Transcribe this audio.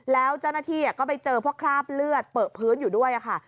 แล้วเจ้าหน้าที่ก็ไปเจอพวกคราบเลือดเปลือพื้นอยู่ด้วยค่ะ